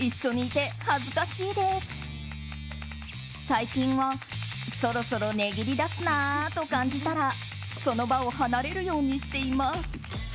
最近はそろそろ値切りだすなと感じたらその場を離れるようにしています。